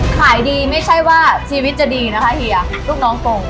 ขายดีไม่ใช่ว่าชีวิตจะดีนะคะเฮียลูกน้องกง